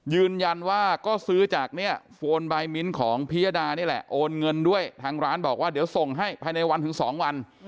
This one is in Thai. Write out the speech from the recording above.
ยืนยันว่าก็ซื้อจากเนี่ยโฟนบายมิ้นของพิยดานี่แหละโอนเงินด้วยทางร้านบอกว่าเดี๋ยวส่งให้ภายในวันถึง๒วัน